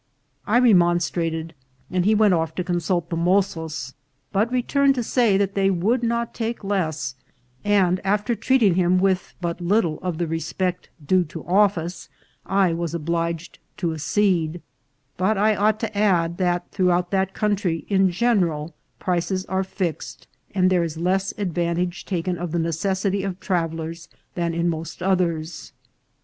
I re monstrated, and he went off to consult the mozos, but returned to say that they would not take less, and, after treating him with»but little of the respect due to office, I was obliged to accede ; but I ought to add, that throughout that country, in general, prices are fixed, and there is less advantage taken of the necessity of travellers than in most others.